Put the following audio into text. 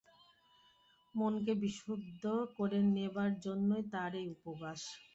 মনকে বিশুদ্ধ করে নেবার জন্যেই তার এই উপবাস।